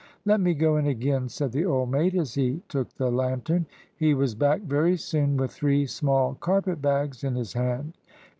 "Let me go in again," said the old mate, as he took the lantern. He was back very soon with three small carpet bags in his hand.